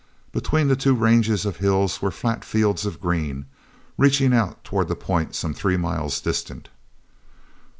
Between the two ranges of hills were flat fields of green, reaching out toward the point some three miles distant.